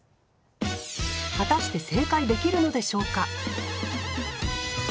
果たして正解できるのでしょうか？